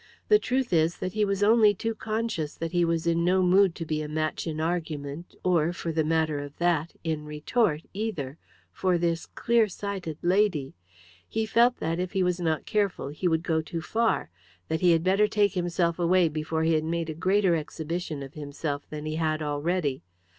The truth is, that he was only too conscious that he was in no mood to be a match in argument or, for the matter of that, in retort either for this clear sighted lady. He felt that, if he was not careful, he would go too far; that he had better take himself away before he had made a greater exhibition of himself than he had already.